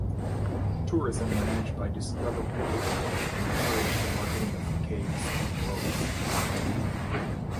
Tourism managed by Discover Puerto Rico encouraged the marketing of the caves in Morovis.